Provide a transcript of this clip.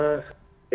para pejabat juga